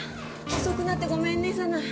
遅くなってごめんね佐奈